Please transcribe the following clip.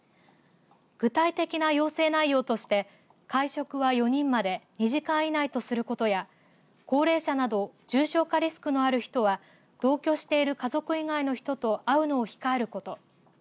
具体的な要請内容として会食は４人まで２時間以内とすることや高齢者など重症化リスクのある人は同居している家族以外の人と会うのを控えること。